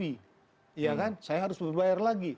iya kan saya harus membayar lagi